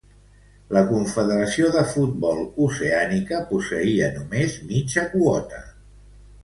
La Confederació de Futbol oceànica posseïa només mitja quota.